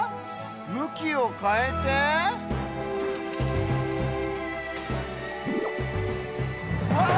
むきをかえてわっ！